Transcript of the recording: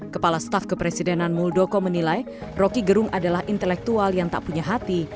kepala staf kepresidenan muldoko menilai roky gerung adalah intelektual yang tak punya hati